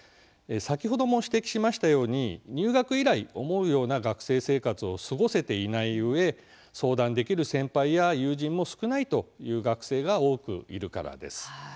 先ほども指摘しましたように入学以来、思うような学生生活を過ごせていないうえ相談できる先輩や友人も少ないという学生が多くいるからです。